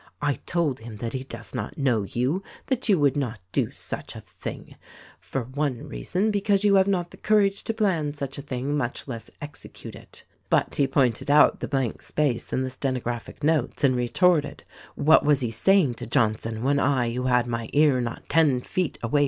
I told him that he does not know you, that you would not do such a thing — for one reason, because you have not the courage to plan such a thing — much less execute it. "But he pointed out the blank space in the stenographic notes and retorted, 'What was he saying to Johnson when I THE RECORDING ANGEL 151 who had my ear not ten feet away.